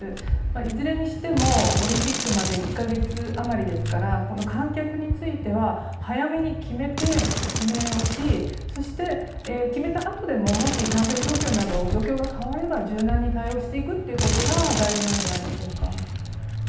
いずれにしてもオリンピックまで１か月余りですから観客については早めに決めて、説明をしそして決めたあとでももし感染状況などの状況が変われば柔軟に対応していくということが大事なんじゃないんでしょうか。